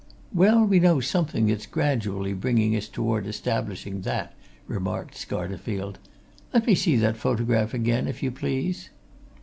"Well, we know something that's gradually bringing us toward establishing that," remarked Scarterfield. "Let me see that photograph again, if you please."